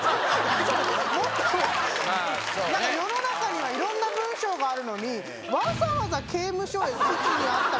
もっと、なんか世の中にはいろんな文章があるのに、わざわざ刑務所って。